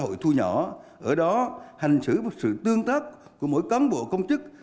môi trường công sở là một cơ hội thu nhỏ ở đó hành xử một sự tương tác của mỗi cán bộ công chức